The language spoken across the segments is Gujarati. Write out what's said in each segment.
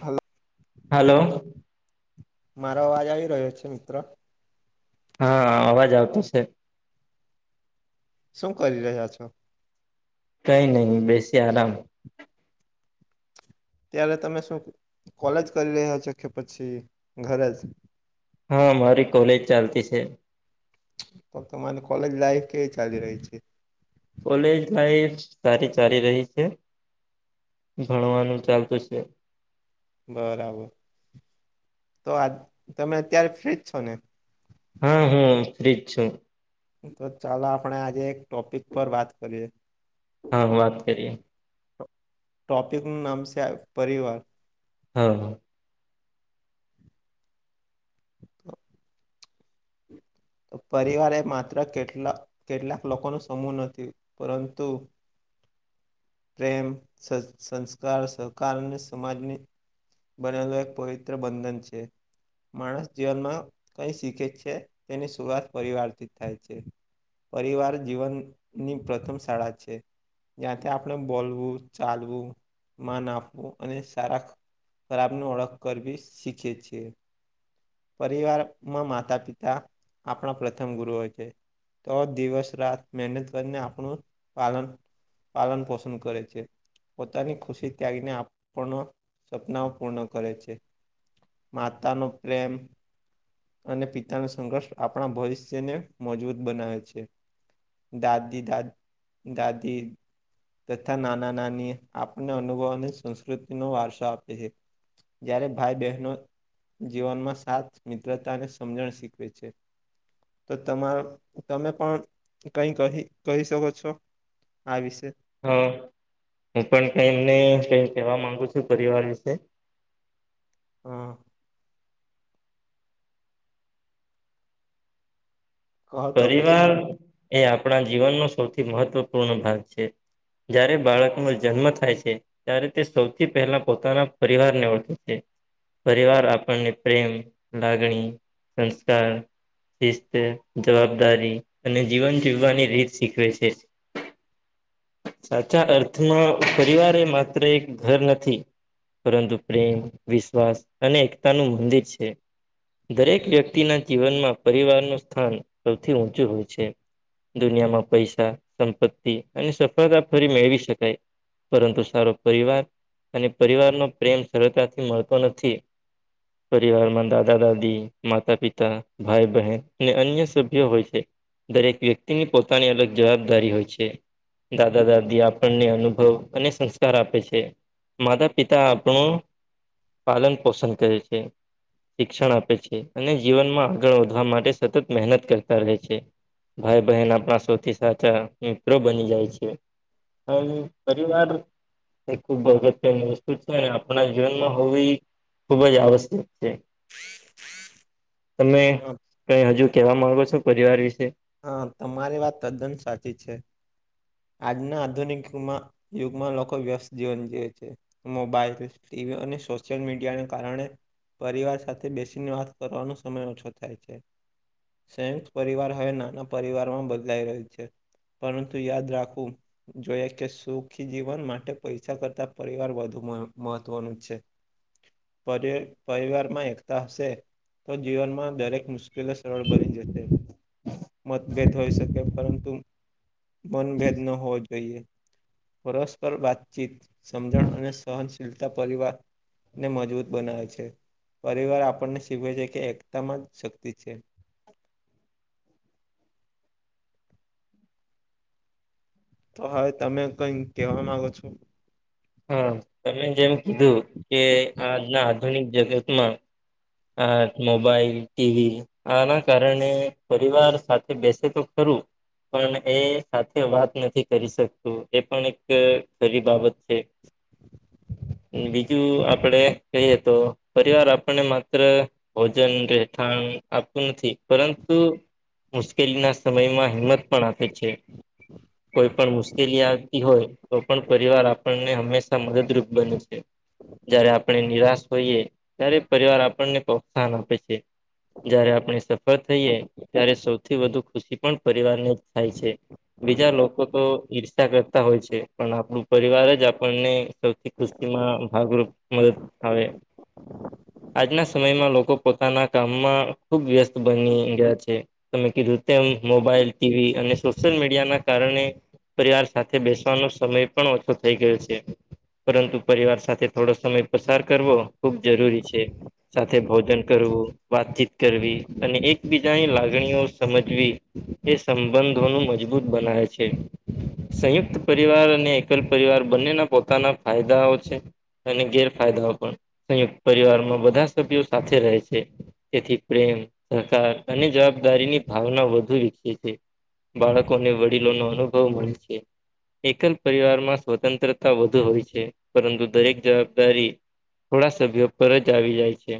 હલો. હલો. મારો અવાજ આવી રહ્યો છે મિત્ર. હા અવાજ આવતો છે. શું કરી રહ્યા છો. કઈ નહીં બેસી આરામ ત્યારે તમે શું કોલેજ કરી રહ્યા છો કે પછી ઘરે જ. હા મારી કોલેજ ચાલતી છે. તો તમારે કોલેજ લાઈફ કેવી ચાલી રહી છે. કોલેજ લાઈફ સારી ચાલી રહી છે ભણવાનું ચાલતું છે. બરાબર તો આ તમે અત્યારે ફ્ર્રી જ છો ને? હા, હું ફ્રી જ છું. તો ચાલો આપણે આજે એક ટોપિક પર વાત કરીએ. હા વાત કરીએ. ટો-ટોપિક નું નામ સે પરિવાર. હા. [unintelligible] તો પરિવાર એ માત્ર કેટલા કેટલાક લોકો નો સમૂહ નથી પરંતુ પ્રેમ સા સંસ્કાર સહકાર અને સમાજની બનેલું એક પવિત્ર બંધન છે. માણસ જીવનમાં કઈ શીખે છે તેની શરૂઆત પરિવાર થી જ થાય છે. પરિવાર જીવન ની પ્રથમ શાળા છે. જ્યાંથી આપણે બોલવું ચાલવું માન આપવું અને સારા ખરાબને ઓળખ કરવી શીખે છે. પરિવારમાં માતા પિતા આપણા પ્રથમ ગુરુ હોય છે. તો દિવસ રાત મહેનત કરીને આપણું પાલન પાલન પોષણ કરે છે. પોતાની ખુશી ત્યાગી ને આપણ નો સપનાઓ પૂર્ણ કરે છે. માતાનો પ્રેમ અને પિતાનો સંઘર્ષ આપણા ભવિષ્યને મજબૂત બનાવે છે. દાદી, દાદ, દાદી તથા નાના નાની આપણ ને અનુભવ અને સંસ્કૃતિનો વારસો આપે છે. જ્યારે ભાઈ બહેનો જીવનમાં સાથ મિત્રતાને સમજણ શીખવે છે. તો તમારો તમે પણ કંઈ કહી-કહી શકો છો આ વિશે. હા, હું પણ કઈ એમને કઈ કહેવા માંગુ છું પરિવાર વિશે. હા. કહો તો પછી પરિવાર એ આપણા જીવનનો સૌથી મહત્વપૂર્ણ ભાગ છે. જયારે બાળકનો જન્મ થાય છે. ત્યારે તે સૌથી પહેલા પોતાના પરિવાર ને ઓળખે છે. પરિવાર આપણને પ્રેમ, લાગણી, સંસ્કાર શિસ્ત, જવાબદારી અને જીવન જીવવાની રીત શીખવે છે. સાચા અર્થમાં પરિવાર એ માત્ર એક ઘર નથી. પરંતુ પ્રેમ વિશ્વાસ અને એકતાનું મંદિર છે. દરેક વ્યક્તિના જીવનમાં પરિવારનું સ્થાન સૌથી ઊંચું હોય છે. દુનિયામાં પૈસા, સંપત્તિ અને સફળતા ફરી મેળવી શકાય પરંતુ સારો પરિવાર અને પરિવાર નો પ્રેમ સરળતાથી મળતો નથી. પરિવારમાં દાદા-દાદી, માતા-પિતા, ભાઈ- બહેન ને અન્ય સભ્યો હોય છે, દરેક વ્યક્તિની પોતાની અલગ જવાબદારી હોય છે. દાદા-દાદી આપણને અનુભવ અને સંસ્કાર આપે છે. માતા-પિતા આપણું પાલન પોષણ કરે છે. શિક્ષણ આપે છે, અને જીવનમાં આગળ વધવા માટે સતત મહેનત કરતા રહે છે. ભાઈ-બહેન આપણા સોથી સાચા મિત્રો બની જાય છે. અને પરીવાર એ ખુબ અગત્યની વસ્તુ છે. આપણા જીવનમાં હોવી ખુબ જ આવશ્યક છે. તમે કઈ હજુ કેવા માંગો છો પરિવાર વિશે? હા, તમારી વાત તદ્દન સાચી છે, આજના આધુનિક માં યુગમાં લોકો વ્યસ્ત જીવન જીવે છે. મોબાઈલ, ટીવી અને સોશિયલ મીડિયાને કારણે પરિવાર સાથે બેસીને વાત કરવાનો સમય ઓછો થાય છે. સંયુક્ત પરિવાર હવે નાના પરિવારમાં બદલાઈ રહ્યો છે. પરંતુ યાદ રાખવું જોયએ કે સુખી જીવન માટે પૈસા કરતા પરિવાર વધુ મહત્વનું છે. પર પરિવારમાં એકતા હશે તો જીવનમાં દરેક મુશ્કેલી સરળ બની જશે. મતભેદ હોઈ શકે, પરંતુ મનભેદ ન હોવો જોઈએ. પરસ્પર વાતચીત, સમજણ અને સહનશીલતા પરિવાર ને મજબૂત બનાવે છે. પરિવાર આપણને શીખવે છે કે એકતામાં જ શક્તિ છે. તો હવે તમે કઈક કેવા માંગો છો? હા તમે જેમ કીધું કે આજના આધુનિક જગતમાં આ મોબાઈલ, ટીવી આના કારણે પરિવાર સાથે બેસે તો ખરું પણ એ સાથે વાત નથી કરી શકતું એ પણ એક ખરી બાબત છે. [inaudible] બીજું આપડે કહીએ તો પરિવાર આપણ ને માત્ર. ભોજન, રહેઠાણ આપતું નથી પરંતુ મુશ્કેલીના સમયમાં હિંમત પણ આપે. છે કોઈ પણ મુશ્કેલી આવતી હોય તો પણ પરિવાર આપણે હમેશા મદદરૂપ બને છે જ્યારે આપણે નિરાશ હોઈએ ત્યારે પરિવાર આપણે પ્રોત્સાહન આપે છે જ્યારે આપણે સફળ થઈએ ત્યારે સૌથી વધુ ખુશી પણ પરિવારને જ થાય છે બીજા લોકો તો ઈર્ષા કરતા હોય છે. પણ આપણું પરિવાર જ આપણને સૌથી ખુશીમાં ભાગરૂપ મદદ આવે. આજના સમયમાં લોકો પોતાના કામમાં ખુબ વ્યસ્ત બની ગયા છે. તમે કીધું તેમ મોબાઈલ, ટીવી અને સોશિયલ મીડિયાના કારણે પરિવાર સાથે બેસવાનો સમય પણ ઓછો થઈ ગયો છે. પરંતુ પરિવાર સાથે થોડો સમય પસાર કરવો ખુબ જરૂરી છે. સાથે ભોજન કરવું વાતચીત કરવી અને એકબીજાની લાગણીઓ સમજવી એ સંબંધોનું મજબૂત બનાવે છે. [inaudible] સંયુક્ત પરિવાર અને એકલ પરિવાર બંનેના પોતાના ફાયદાઓ છે. અને ગેરફાયદા પણ સંયુક્ત પરિવારમાં બધા સભ્યો સાથે રહે છે. તેથી પ્રેમ, સહકાર અને જવાબદારીની ભાવના વધુ વિકસે છે. બાળકોને વડીલો નો અનુભવ મળે છે. એકલ પરિવારમાં સ્વતંત્રતા વધુ હોય છે પરંતુ દરેક જવાબદારી થોડા સભ્યો પર જ આવી જાય છે.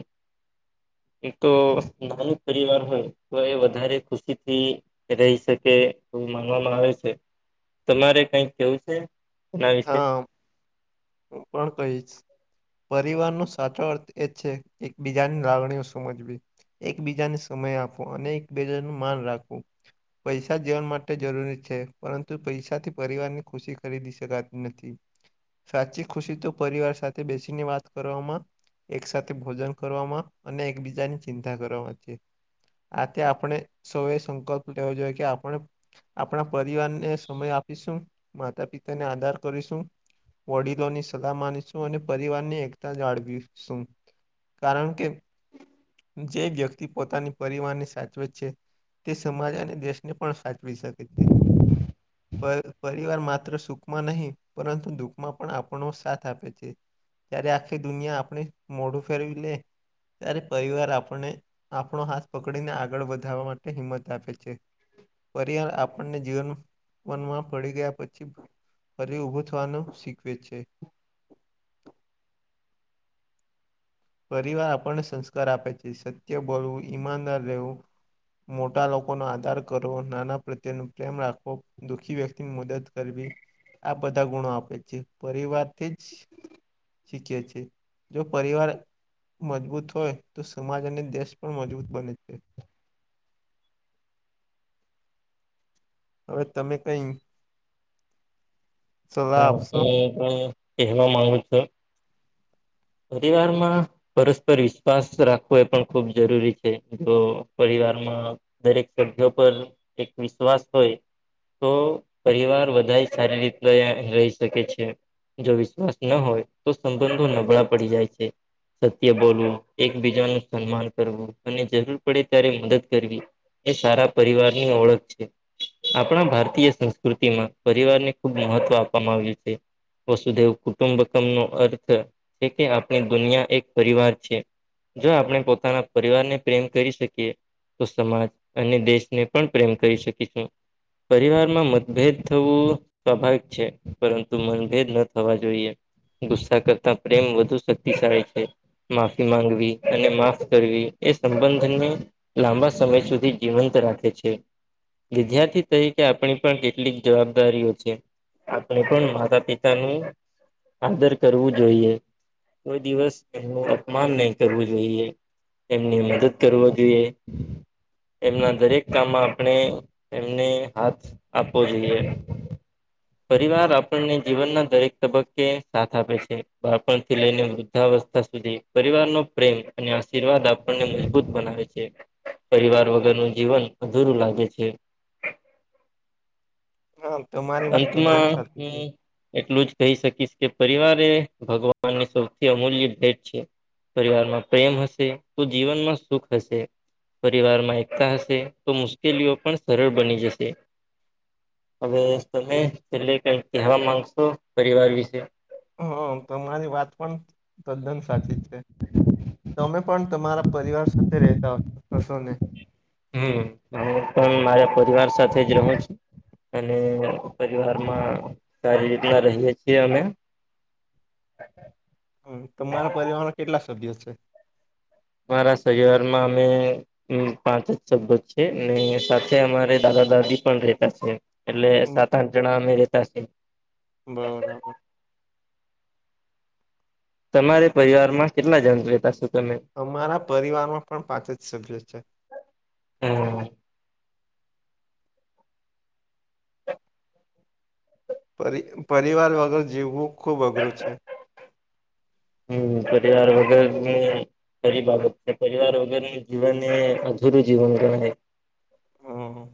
તો નાનું પરિવાર હોય તો એ વધારે ખુશીથી રહી શકે એવું માનવામાં આવે છે, તમારે કઈક કેવું છે. એના વિશે. હૂ પણ કહીશ. પરિવારનો સાચો અર્થ એ જ છે એક બીજાની લાગણીઓ સમજવી. એકબીજાને સમય આપવો અને એકબીજાનું માન રાખવું. પૈસા જીવન માટે જરૂરી છે પરંતુ પૈસા થી પરિવારની ખુશી ખરીદી શકાતી નથી. સાચી ખુશી તો પરિવાર સાથે બેસીને વાત કરવામાં એક સાથે ભોજન કરવામાં અને એકબીજાની ચિંતા કરવાવામાં છે. આ તે આપણે સૌ એ સંકલ્પ લેવો જોઈએ કે આપણે આપણા પરિવારને સમય આપીશું, માતા પિતાને આદર કરીશું. વડીલોની સલાહ માનીશું અને પરિવારની એકતા જાળવીશું. કારણ કે જે વ્યક્તિ પોતાની પરિવારની સાચવેત છે. તે સમાજ અને દેશને પણ સાચવી શકે છે. પર પરિવાર માત્ર સુખમાં નહીં પરંતુ દુઃખ માં પણ આપણો સાથ આપે છે, ત્યારે આખી દુનિયા આપણે મોઢું ફેરવી લે. ત્યારે પરિવાર આપણને આપણો હાથ પકડીને આગળ વધારવા માટે હિંમત આપે છે. પરિવાર આપણને જીવન વનમાં પડી ગયા પછી. ફરી ઉભો થવાનું શીખવે છે. પરિવાર આપણને સંસ્કાર આપે છે, સત્ય બોલવું ઈમાનદાર રહેવું. મોટા લોકોનો આદર કરવો, નાના પ્રત્યે ન પ્રેમ રાખવો. દુઃખી વ્યક્તિની મદદ કરવી આ બધા ગુણો આપે છે, પરિવારથી જ. શીખે છે, જો પરીવાર મજબૂત હોય તો સમાજ અને દેશ પણ મજબૂત બને છે. હવે તમે કઈ. સલાહ હા હું આપશો? તો કહેવા માંગુ છું. પરિવાર માં પરસ્પર વિશ્વાસ રાખવો એ પણ ખૂબ જરૂરી છે, જો પરિવારમાં. દરેક સભ્યો પર એક વિશ્વાસ હોય. તો પરિવાર વધારે સારી રીતના રહ્યા રહી શકે છે. જો વિશ્વાસ ન હોય તો સંબંધો નબળા પડી જાય છે. સત્ય બોલવું, એકબીજા નુ સન્માન કરવું અને જરૂર પડે ત્યારે મદદ કરવી. એ સારા પરિવારની ઓળખ છે. આપણા ભારતીય સંસ્કૃતિમાં પરિવારને ખુબ મહત્વ આપવામાં આવ્યું છે. વસુદેવ કુટુંબકમ નો અર્થ છે કે આપણી દુનિયા એક પરિવાર છે. જો આપણે પોતાના પરિવારને પ્રેમ કરી શકીએ, તો સમાજ અને દેશને પણ પ્રેમ કરી શકીશું. પરિવારમાં મતભેદ થવું. સ્વાભાવિક છે, પરંતુ મનભેદ ન થવા જોઈએ ગુસ્સા કરતા પ્રેમ વધુ શક્તિશાળી છે. માફી માંગવી અને માફ કરવી એ સંબંધને લાંબા સમય સુધી જીવંત રાખે છે. વિદ્યાર્થી તરીકે આપણી પણ કેટલીક જવાબદારીઓ છે. આપણે પણ માતા પિતાનું આદર કરવું જોઈએ. કોઈ દિવસ એમનું અપમાન નહી કરવું જોઈએ. એમની મદદ કરવા જોઈએ. એમના દરેક કામમાં આપણે એમને હાથ આપવો જોઈએ. પરિવાર આપણને જીવનના દરેક તબક્કે સાથ આપે છે. બાપણથી લઈને વૃદ્ધાવસ્થા સુધી પરિવારનો પ્રેમ અને આશીર્વાદ આપણને મજબૂત બનાવે છે. પરિવાર વગરનું જીવન અધૂરું લાગે છે. હા, તમારી વાત તદન અંતમાં સાચી છે. હું એટલું જ કહી શકીશ કે પરિવાર એ ભગવાનની સૌથી અમૂલ્ય ભેટ છે. પરિવારમાં પ્રેમ હશે તો જીવનમાં સુખ હશે. પરિવારમાં એકતા હશે તો મુશ્કેલીઓ પણ સરળ બની જશે. હવે તમે છેલ્લે કઈ કહેવા માંગશો પરિવાર વિશે. હા તમારી વાત પણ તદ્દન સાચી છે, તમે પણ તમારા પરિવાર સાથે રહેતા હશોને. હમ્મ, હું પણ મારા પરિવાર સાથે જ રહું છું. અને પરિવારમાં સારી રીતના રહીએ છીએ અમે. હમ્મ તમારા પરિવારમા કેટલા સભ્યો છે. મારા સઈઆરમાં અમે પાંચ સભ્ય છે ને સાથે અમારે દાદા દાદી પણ રહેતા છે. એટલે બ સાત આઠ જણા અમે રેતા છીએ. બરાબર. તમારે પરિવારમાં કેટલા જણ રેતા શો તમે. અમારા પરિવારમાં પણ પાંચ જ સભ્યો છે. હમ્મ. પરિ પરિવાર વગર જીવવું ખૂબ અઘરું છે. હમ્મ પરિવાર વગર હમ્મ. ખરી બાબત છે પરિવાર વગર જીવનને અધૂરું જીવન ગણાય. હા.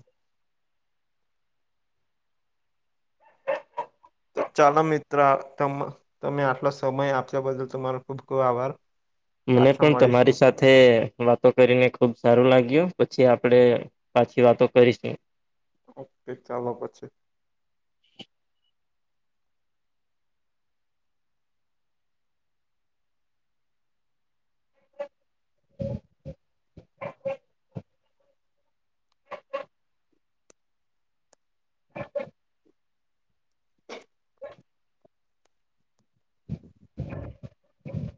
તો ચાલ મિત્ર તમ તમે આટલો સમય આપલા બદલ ત ખૂબ-ખૂબ આભાર. મને પાછા પણ મળીશું તમારી સાથે સાથે વાતો કરીને ખુબ સારું લાગ્યું પછી આપણેે પાછી વાતો કરીશું. ઓકે ચાલો પછી. [inaudible] [inaudible] [inaudible] [inaudible]